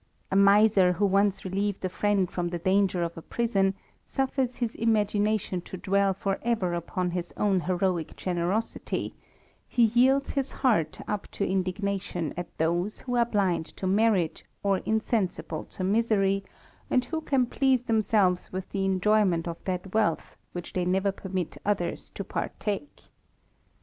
A miser who once relieved a friend from the danger of a prison, suffers his imagination to dwell for ever upon his own heroic generosity ; he yields his heart up to indignation at those who are blind to merit, or insensible to misery, and who can 54 THE RAMBLER, please themselves with the enjoyment of that wealth, which they never permit others to partake.